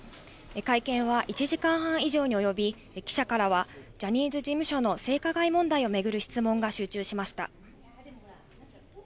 会見は１時間半以上に及び、記者からは、ジャニーズ事務所の性加害問題を巡る質問が集中しました。